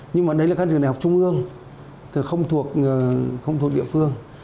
nhưng mà đấy là các trường đại học trung ương không thuộc địa phương